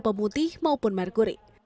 pemutih maupun merkuri